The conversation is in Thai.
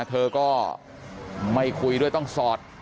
เธอก็ไม่คุยด้วยต้องสอด